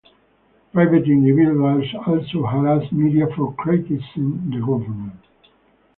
Private individuals also harass media for criticizing the government.